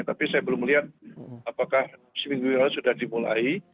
tapi saya belum melihat apakah seminggu yang lalu sudah dimulai